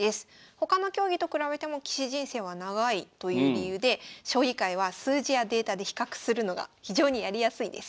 他の競技と比べても棋士人生は長いという理由で将棋界は数字やデータで比較するのが非常にやりやすいです。